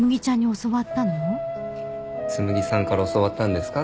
紬さんから教わったんですか？